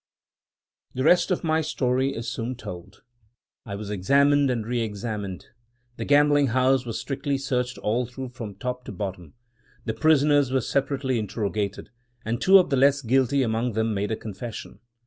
" The rest of my story is soon told. I was examined and re examined; the gambling house was strictly searched all through from top to bottom; the prisoners were separately interrogated; and two of the less guilty among them made a confession.